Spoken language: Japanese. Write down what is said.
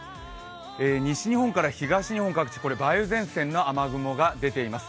西日本から東日本各地、これ梅雨前線の雨雲が出ています。